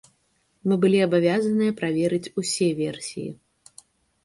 Мы былі абавязаныя праверыць усе версіі.